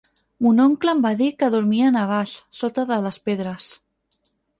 Mon oncle em va dir que dormien a baix, sota de les pedres.